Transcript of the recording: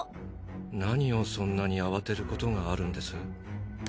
何をそんなに慌てることがあるんです？